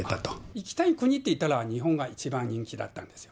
行きたい国っていったら日本が一番人気だったんですよ。